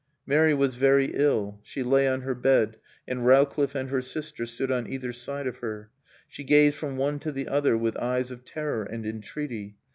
Mary was very ill. She lay on her bed, and Rowcliffe and her sister stood on either side of her. She gazed from one to the other with eyes of terror and entreaty.